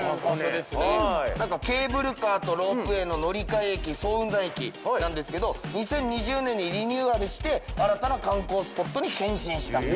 何かケーブルカーとロープウェイの乗換駅早雲山駅なんですけど２０２０年にリニューアルして新たな観光スポットに変身したと。